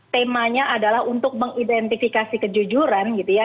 temanya adalah untuk mengidentifikasi kejujuran gitu ya